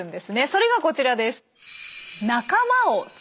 それがこちらです。